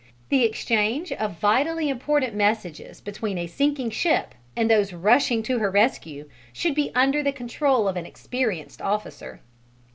The exchange of vitally important messages between a sinking ship and those rushing to her rescue should be under the control of an experienced officer.